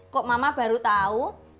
kok mama baru tahu